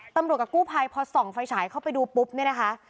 กับกู้ภัยพอส่องไฟฉายเข้าไปดูปุ๊บเนี่ยนะคะ